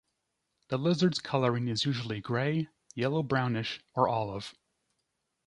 The lizard's coloring is usually gray, yellow-brownish, or olive.